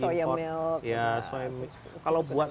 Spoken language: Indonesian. soya milk kalau buat